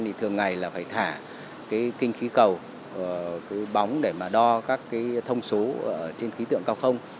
thì thường ngày là phải thả cái kinh khí cầu cái bóng để mà đo các cái thông số trên khí tượng cao không